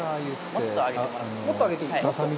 もっと上げていいんですか。